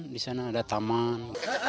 di sana ada taman